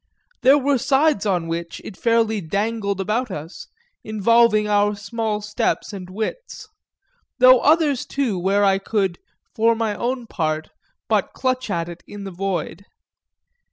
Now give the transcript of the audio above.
There were sides on which it fairly dangled about us, involving our small steps and wits; though others too where I could, for my own part, but clutch at it in the void.